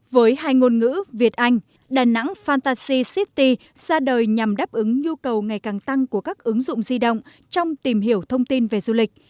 với hai ngôn ngữ việt anh đà nẵng fantasy city ra đời nhằm đáp ứng nhu cầu ngày càng tăng của các ứng dụng di động trong tìm hiểu thông tin về du lịch